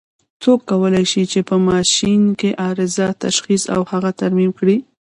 څوک کولای شي چې په ماشین کې عارضه تشخیص او هغه ترمیم کړي؟